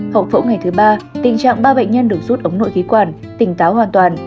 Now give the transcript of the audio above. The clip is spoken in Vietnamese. hậu phẫu ngày thứ ba tình trạng ba bệnh nhân được rút ống nội khí quản tỉnh táo hoàn toàn